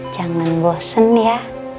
jangan bosen ya